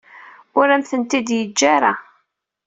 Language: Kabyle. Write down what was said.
Ur am-tent-id-yeǧǧa ara.